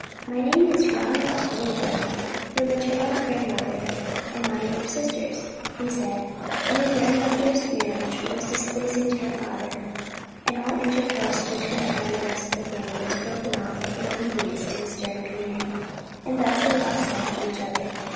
"My name is Ronald Lilburn; your maternal grandmother and mine were sisters," he said, "your grandmother's marriage was displeasing to her father and all intercourse between her and the rest of the family was broken off in obedience to his stern command; and thus they lost sight of each other.